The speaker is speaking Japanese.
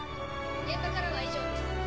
現場からは以上です。